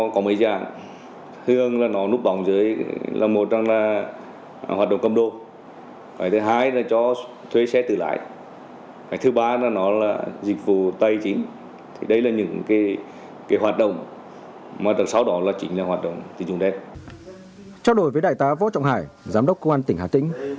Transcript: cho đổi với đại tá võ trọng hải giám đốc công an tỉnh hà tĩnh